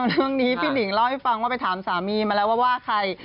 เรื่องนี้พี่หนิงเล่าให้ฟังว่าไปถามสามีมาแล้วว่าใคร